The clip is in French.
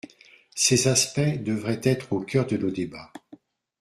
Ces aspects devraient être au cœur de nos débats.